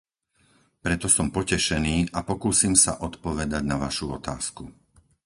Preto som potešený a pokúsim sa odpovedať na Vašu otázku.